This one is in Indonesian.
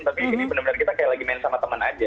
tapi jadi benar benar kita kayak lagi main sama teman aja